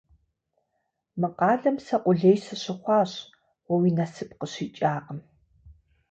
Мы къалэм сэ къулей сыщыхъуащ, уэ уи насып къыщикӏакъым.